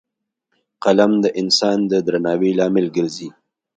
قلم د انسان د درناوي لامل ګرځي